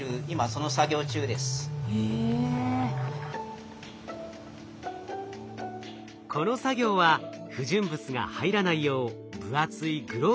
この作業は不純物が入らないよう分厚いグローブを通して行います。